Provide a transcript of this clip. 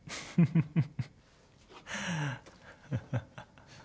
フフフ。